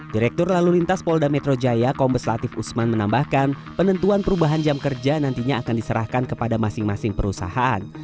direktur lalu lintas polda metro jaya kombes latif usman menambahkan penentuan perubahan jam kerja nantinya akan diserahkan kepada masing masing perusahaan